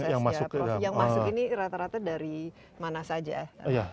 prof yang masuk ini rata rata dari mana saja